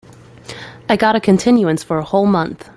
I got a continuance for a whole month.